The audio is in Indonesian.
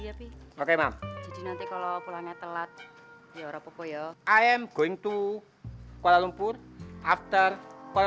tapi oke nanti kalau pulangnya telat ya orang pokok yo i am going to kuala lumpur after kuala